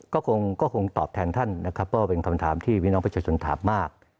ก็คงตอบแทนท่านนะครับว่าเป็นคำถามที่พี่น้องประชาชนถามมาก